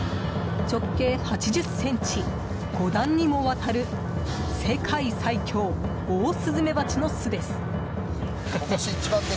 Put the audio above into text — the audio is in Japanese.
直径８０ｃｍ、５段にもわたる世界最凶オオスズメバチの巣です。